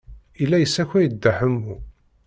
Yella yessakay-d Dda Ḥemmu.